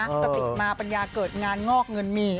สติมาปัญญาเกิดงานงอกเงินมี